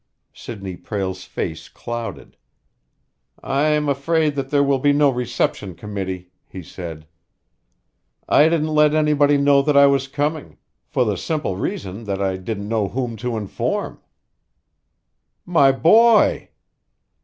Sidney Prale's face clouded. "I am afraid that there will be no reception committee," he said. "I didn't let anybody know that I was coming for the simple reason that I didn't know whom to inform." "My boy!"